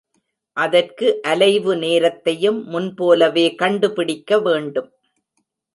அதற்கு அலைவு நேரத்தையும் முன்போலவே கண்டு பிடிக்க வேண்டும்.